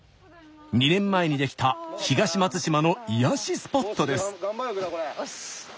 ２年前に出来た東松島の癒やしスポットです。